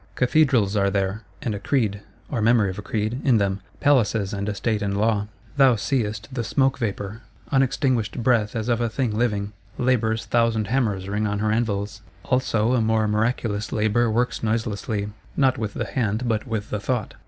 Cathedrals are there, and a Creed (or memory of a Creed) in them; Palaces, and a State and Law. Thou seest the Smoke vapour; _un_extinguished Breath as of a thing living. Labour's thousand hammers ring on her anvils: also a more miraculous Labour works noiselessly, not with the Hand but with the Thought.